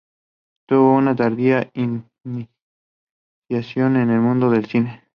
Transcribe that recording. Tuvo una tardía iniciación en el mundo del cine.